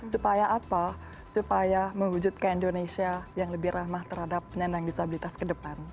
supaya apa supaya mewujudkan indonesia yang lebih ramah terhadap penyandang disabilitas ke depan